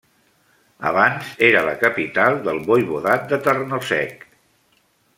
Abans era la capital del Voivodat de Tarnobrzeg.